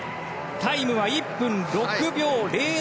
タイムは１分６秒０７。